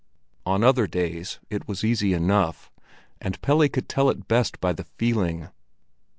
On other days it was easy enough, and Pelle could tell it best by the feeling.